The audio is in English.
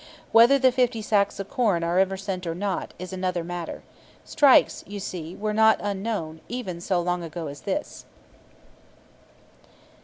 Whether the fifty sacks of corn are ever sent or not, is another matter. Strikes, you see, were not unknown, even so long ago as this.